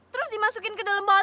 terus dimasukin ke dalam bawah